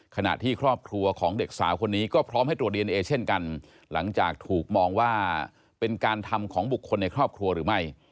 ขณะที่ครอบครัวของเด็กสาวคนนี้ก็พร้อมให้ตรวจดีเอนเอเช่นกันหลังจากถูกมองว่าเป็นการทำของบุคคลในครอบครัวหรือไม่